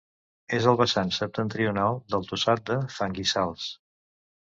És al vessant septentrional del Tossal de Fanguissals.